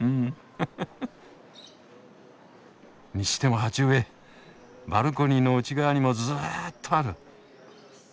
ふふふ。にしても鉢植えバルコニーの内側にもずっとある。